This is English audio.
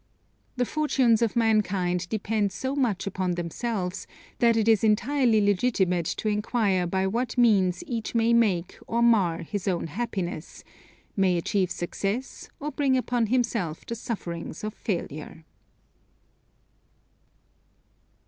The fortunes of mankind depend so much upon themselves, that it is entirely legitimate to enquire by what means each may make or mar his own happiness; may achieve success or bring upon himself the sufferings of failure.